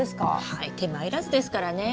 はい手間いらずですからね。